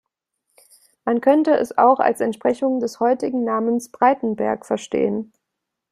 Man könnte es auch als Entsprechung des heutigen Namens Breitenberg verstehen.